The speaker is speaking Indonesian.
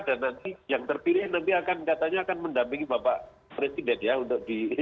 dan nanti yang terpilih nanti akan katanya akan mendampingi bapak presiden ya untuk di